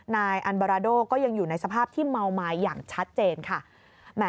นายอันบาราโดก็ยังอยู่ในสภาพที่เมาไม้อย่างชัดเจนค่ะ